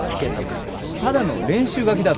ただの練習書きだぞ。